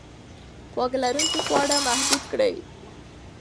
خواږه لرونکي خواړه محدود کړئ.